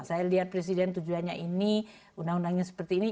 saya lihat presiden tujuannya ini undang undangnya seperti ini